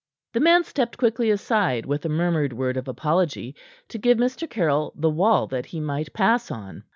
The man stepped quickly aside with a murmured word of apology, to give Mr. Caryll the wall that he might pass on.